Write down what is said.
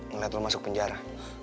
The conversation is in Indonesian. ngelihat lu masuk penjara